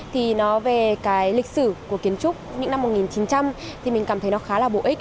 thì nói về cái lịch sử của kiến trúc những năm một nghìn chín trăm linh thì mình cảm thấy nó khá là bổ ích